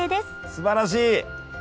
すばらしい！